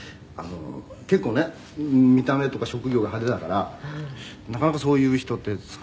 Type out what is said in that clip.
「結構ね見た目とか職業が派手だからなかなかそういう人って少ないと思って」